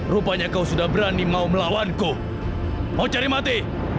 rupanya kau sudah berani mau melawanku mau cari mati